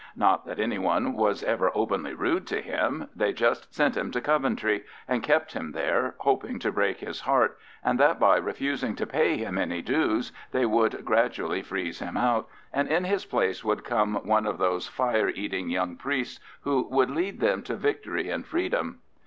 Not that any one was ever openly rude to him; they just sent him to Coventry and kept him there, hoping to break his heart, and that by refusing to pay him any dues they would gradually freeze him out, and in his place would come one of those fire eating young priests who would lead them to victory and freedom.